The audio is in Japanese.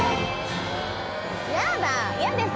やだ嫌です！